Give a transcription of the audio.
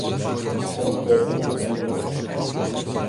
Oerskeakelje nei Word.